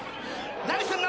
何すんの？